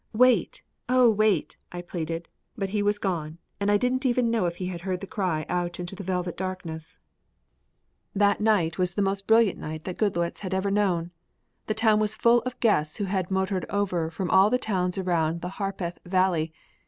"Wait, Oh wait!" I pleaded, but he was gone and I didn't even know if he heard the cry out into the velvet darkness. That night was the most brilliant night that Goodloets had ever known. The Town was full of guests who had motored over from all the towns around in the Harpeth Valley.